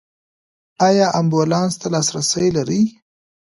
ایا امبولانس ته لاسرسی لرئ؟